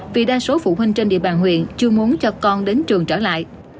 vì đa số phụ huynh trên địa bàn huyện chưa muốn cho con đến trường trở lại